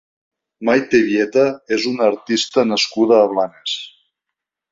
Mayte Vieta és una artista nascuda a Blanes.